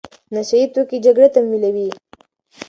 نشه يي توکي جګړه تمویلوي.